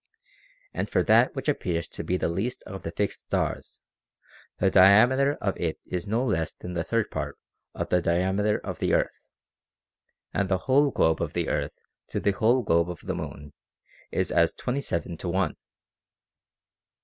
And for that which appears to be the least of the fixed stars, the diameter of it is no less than the third part of the diameter of the earth, and the whole globe of the earth to the whole globe of the moon is as twenty seven to one.